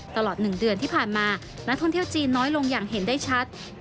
ตลอด๑เดือนที่ผ่านมานักท่องเที่ยวจีนน้อยลงอย่างเห็นได้ชัด